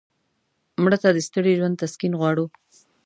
مړه ته د ستړي ژوند تسکین غواړو